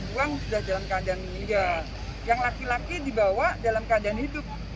sehingga yang laki laki dibawa dalam keadaan hidup